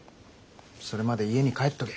それまで家に帰っとけ。